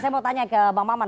saya mau tanya ke bang maman